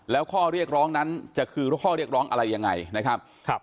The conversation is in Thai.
แล้วข้อเรียกร้องนั้นจะคือข้อเรียกร้องอะไรยังไงนะครับ